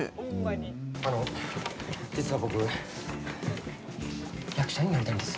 あの実は僕役者になりたいんです。